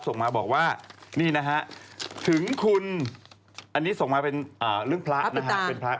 ส่งมาบอกว่านี่นะฮะถึงคุณอันนี้ส่งมาเป็นเรื่องพระนะฮะ